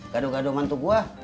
gaduh gaduh mantu gua